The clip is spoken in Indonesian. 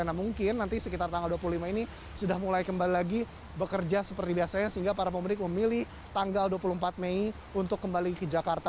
nah mungkin nanti sekitar tanggal dua puluh lima ini sudah mulai kembali lagi bekerja seperti biasanya sehingga para pemudik memilih tanggal dua puluh empat mei untuk kembali ke jakarta